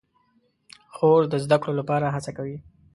خور د زده کړو لپاره هڅه کوي.